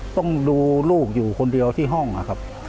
ต้องดูลูกอยู่คนเดียวที่ห้องนะครับ